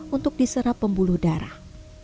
untuk diserap pembuluh darah